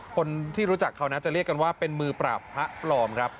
คนที่รู้จักเขานะจะเรียกกันว่าเป็นมือปราบพระปลอมครับ